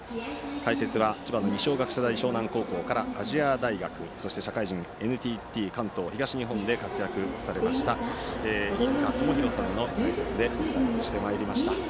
解説は千葉の二松学舎大沼南高校から亜細亜大学、そして社会人野球ＮＴＴ関東・東日本で活躍されました、飯塚智広さんの解説でお伝えしてまいりました。